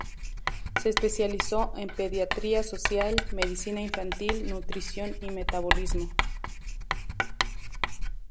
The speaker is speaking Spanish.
Se especializó en pediatría social, medicina infantil, nutrición y metabolismo.